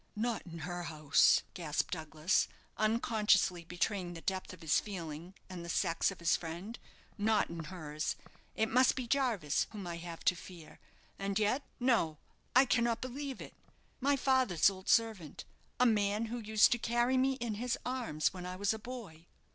"Not in her house," gasped Douglas, unconsciously betraying the depth of his feeling and the sex of his friend; "not in hers. It must be Jarvis whom I have to fear and yet, no, I cannot believe it. My father's old servant a man who used to carry me in his arms when I was a boy!"